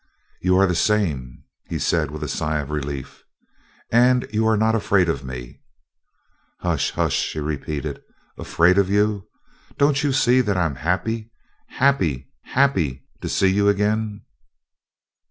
"You are the same," he said with a sigh of relief. "And you are not afraid of me?" "Hush! Hush!" she repeated. "Afraid of you? Don't you see that I'm happy, happy, happy to see you again?"